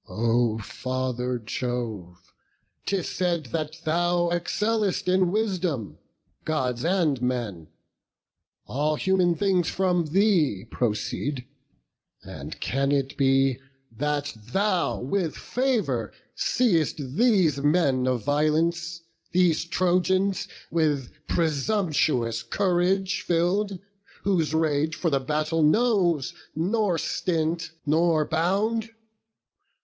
O Father Jove, 'tis said that thou excell'st, In wisdom, Gods and men; all human things From thee proceed; and can it be, that thou With favour seest these men of violence, These Trojans, with presumptuous courage fill'd, Whose rage for the battle knows nor stint nor bound?